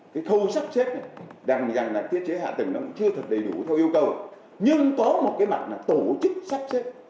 cái khâu sắp xếp này rằng là thiết chế hạ tầng nó cũng chưa thật đầy đủ theo yêu cầu nhưng có một cái mặt là tổ chức sắp xếp